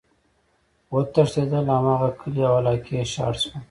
وتښتيدل!! هماغه کلي او علاقي ئی شاړ شول،